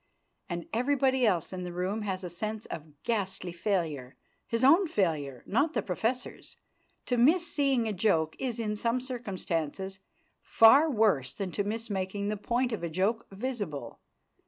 And everybody else in the room has a sense of ghastly failure his own failure, not the professor's. To miss seeing a joke is, in some circumstances, far worse than to miss making the point of a joke visible.